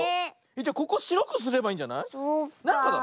じゃここしろくすればいいんじゃない？そっかあ。